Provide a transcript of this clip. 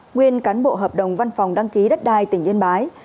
nguyên cán bộ hợp đồng văn phòng đăng ký đất đai tỉnh yên bái